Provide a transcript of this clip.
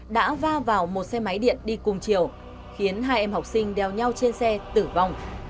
đã va vào một xe máy điện đi cùng chiều khiến hai em học sinh đeo nhau trên xe tử vong